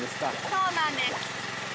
そうなんです。